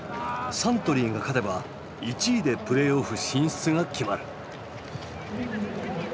サントリーが勝てば１位でプレーオフ進出が決まる。